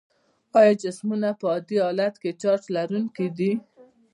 آیا جسمونه په عادي حالت کې چارج لرونکي دي؟